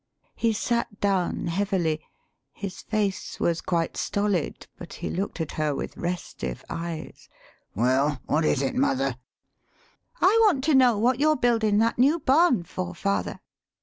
[He sat down heavily; his face was quite stolid, but he looked at her with restive eyes.] "Well, what is it, mother?" "I want to know what you're buildin' that new barn for, father?"